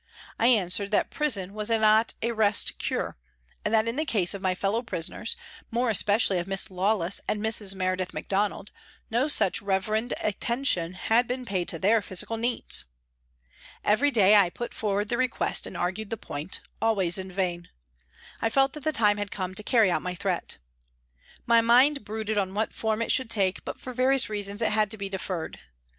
I answered that prison was not a " rest cure " and that in the case of my fellow prisoners, more especially of Miss Lawless and Mrs. Meredith Macdonald, no such reverend attention had been paid to their physical needs. Every day I put forward the request and argued the point, always in vain. I felt that the time had come to carry out my threat. My mind brooded on what form it should take, but for various reasons it had to be deferred.